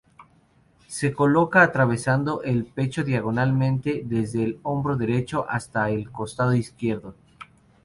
Se coloca atravesando el pecho diagonalmente desde el hombro derecho hasta el costado izquierdo.